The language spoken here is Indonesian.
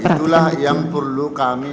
perhatikan nah itulah yang perlu kami